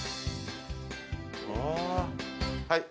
はい。